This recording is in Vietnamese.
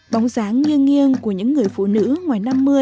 bóng dáng như nghiêng của những người phụ nữ ngoài năm mươi